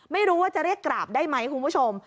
ไม่รู้ว่าจะเรียกกราบได้ไหมคุณผู้ชม